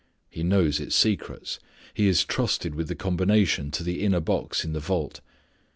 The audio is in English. He knows its secrets. He is trusted with the combination to the inner box in the vault.